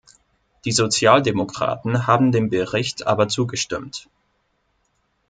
Die Sozialdemokraten haben dem Bericht aber zugestimmt.